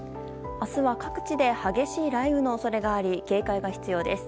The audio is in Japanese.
明日は各地で激しい雷雨の恐れがあり警戒が必要です。